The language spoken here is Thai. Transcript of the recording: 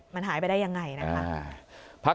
มันหายไปได้ยังไงนะคะ